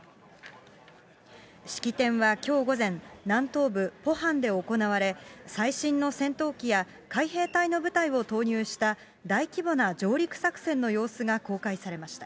式典はきょう午前、南東部ポハンで行われ、最新の戦闘機や、海兵隊の部隊を投入した大規模な上陸作戦の様子が公開されました。